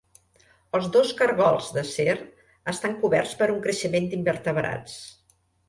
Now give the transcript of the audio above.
Els dos cargols d'acer estan coberts per un creixement d'invertebrats.